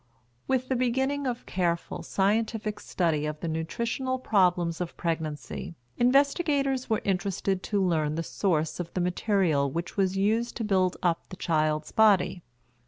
With the beginning of careful, scientific study of the nutritional problems of pregnancy, investigators were interested to learn the source of the material which was used to build up the child's body.